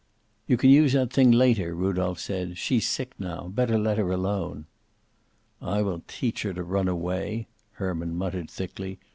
"You can use that thing later," Rudolph said. "She's sick now. Better let her alone." "I will teach her to run away," Herman muttered thickly.